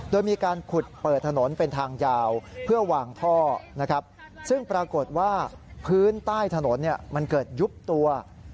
โดยมีการขุดเปิดถนนเป็นทางยาว